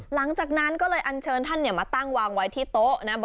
หลังจากนั้นก็เลยอันเชิญท่านมาตั้งวางไว้ที่โต๊ะนะ